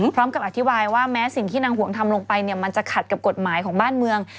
พร้อมกับอธิบายว่าแม้สิ่งที่นางหวงทำลงไปเนี่ยมันจะขัดกับกฎหมายของบ้านเมือง